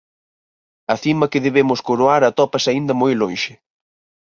A cima que debemos coroar atópase aínda moi lonxe.